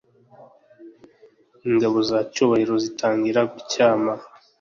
ingabo za cyubahiro zitangira kutyama